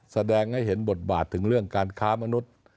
แสดงให้เห็นบทบาทถึงเรื่องการค้ามนุษย์